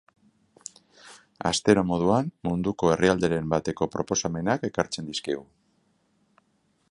Astero moduan, munduko herrialderen bateko proposamenak ekartzen dizkigu.